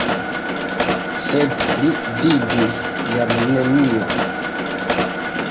Sed li vidis jam nenion.